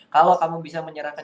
kalau kamu bisa menyerahkan